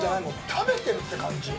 食べてるって感じ。